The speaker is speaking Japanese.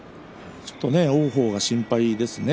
ちょっと王鵬、心配ですね。